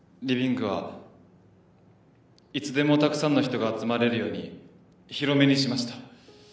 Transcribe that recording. リビングはいつでもたくさんの人が集まれるように広めにしました。